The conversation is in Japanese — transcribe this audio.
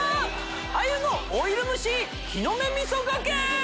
鮎のオイル蒸し木の芽味噌掛け！